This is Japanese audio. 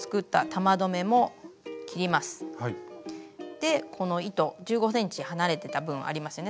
でこの糸１５ｃｍ離れてた分ありますよね。